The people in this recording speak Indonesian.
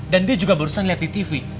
dan dia juga baru saja liat di tv